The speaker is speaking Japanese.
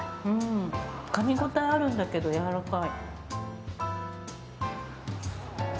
かみ応えあるんだけどやわらかい。